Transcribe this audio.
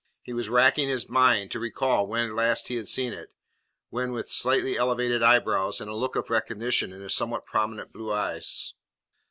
He was racking his mind to recall where last he had seen it, when with slightly elevated eyebrows and a look of recognition in his somewhat prominent blue eyes.